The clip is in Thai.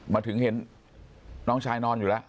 มาถึงเห็นน้องชายนอนอยู่แล้ว